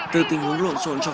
từ tình huống lộn rộn trong vòng